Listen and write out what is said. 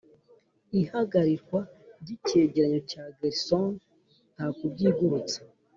ihagarikwa ry'icyegeranyo cya gersony. nta kubyigurutsa,